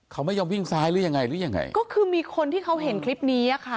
เขาไม่ยอมวิ่งซ้ายหรือยังไงหรือยังไงก็คือมีคนที่เขาเห็นคลิปนี้อ่ะค่ะ